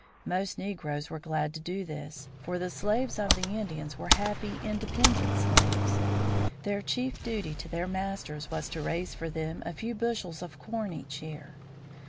Most negroes were glad to do this, for the slaves of the Indians were happy, independent slaves. Their chief duty to their masters was to raise for them a few bushels of corn each year.